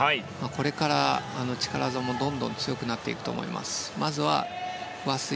これから力技もどんどん強くなっていくと思います。